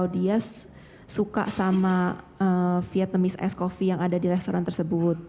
dia suka sama vietnamese ice coffee yang ada di restoran tersebut